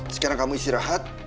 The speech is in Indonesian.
sekarang kamu istirahat